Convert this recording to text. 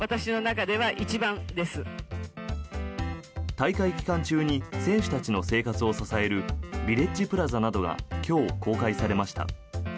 大会期間中に選手たちの生活を支えるビレッジプラザなどが今日、公開されました。